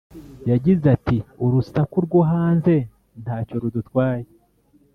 yagize ati "urusaku rwo hanze ntacyo rudutwaye